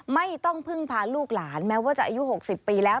ไม่ต้องพึ่งพาลูกหลานแม้ว่าจะอายุ๖๐ปีแล้ว